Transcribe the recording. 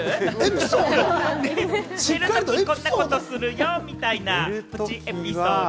こんなことするよみたいなプチエピソード。